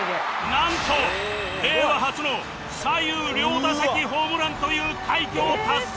なんと令和初の左右両打席ホームランという快挙を達成！